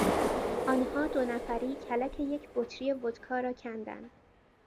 آنها دو نفری کلک یک بطری ودکا را کندند.